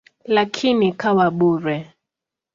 Lakini ikawa bure.